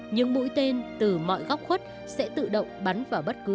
những mũi tên từ mọi góc khuất sẽ tự động bắn vào bất cứ ai